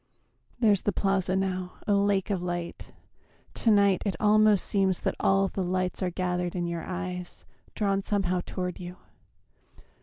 ... There's the Plaza now, A lake of light! To night it almost seems That all the lights are gathered in your eyes, Drawn somehow toward you.